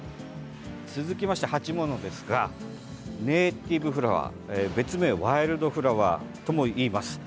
続きまして鉢物ですがネイティブフラワー別名ワイルドフラワーともいいます。